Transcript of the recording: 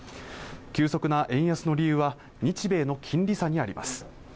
急速な円安の理由は日米の金利差にあります